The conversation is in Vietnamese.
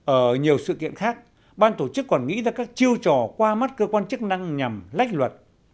ở nhiều sự kiện khác ban tổ chức còn nghĩ ra các chiêu trò qua mắt cơ quan chức năng nhằm lách luật